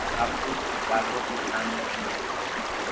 آپيس بآگو سآمي تي